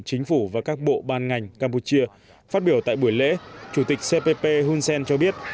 chính phủ và các bộ ban ngành campuchia phát biểu tại buổi lễ chủ tịch cpp hun sen cho biết